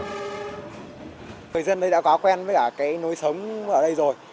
người dân đây đã có quen với cả cái nối sống ở đây rồi